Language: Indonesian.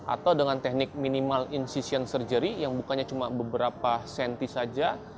atau dengan teknik minimal in seassion surgery yang bukannya cuma beberapa senti saja